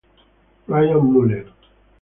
Ryan Mullen